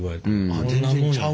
あっ全然ちゃう。